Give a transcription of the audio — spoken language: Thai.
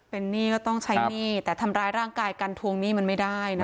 เป็นหนี้ก็ต้องใช้หนี้แต่ทำร้ายร่างกายการทวงหนี้มันไม่ได้นะ